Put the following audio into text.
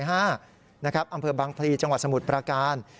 อำเภอบังพลีจังหวัดสมุทรประการ